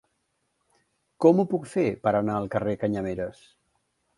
Com ho puc fer per anar al carrer de Canyameres?